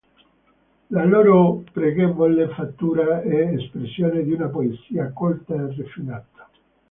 La loro pregevole fattura è espressione di una poesia colta e raffinata.